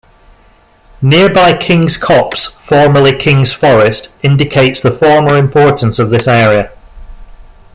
Nearby Kings Copse, formerly Kings Forest, indicates the former importance of this area.